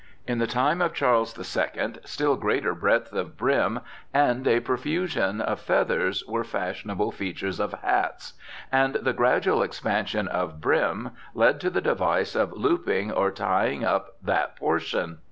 In the time of Charles II. still greater breadth of brim and a profusion of feathers were fashionable features of hats, and the gradual expansion of brim led to the device of looping or tying up that portion.